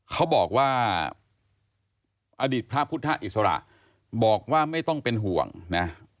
เขาบอกว่าอดีตพระพุทธอิสระบอกว่าไม่ต้องเป็นห่วงนะ